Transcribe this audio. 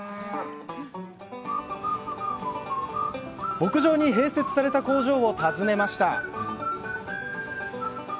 牧場に併設された工場を訪ねました